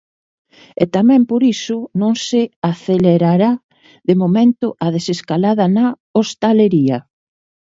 E tamén por iso, non se acelerará de momento a desescalada na hostalería.